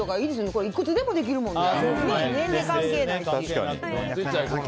これいくつでもできるもんね。